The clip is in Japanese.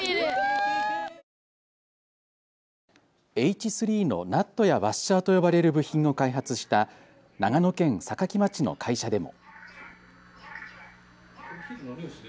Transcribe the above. Ｈ３のナットやワッシャーと呼ばれる部品を開発した長野県坂城町の会社でも。